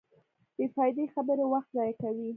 بېفائدې خبرې وخت ضایع کوي.